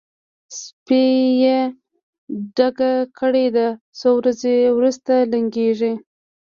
سپۍ یې ډکه کړې ده؛ څو ورځې روسته لنګېږي.